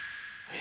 え？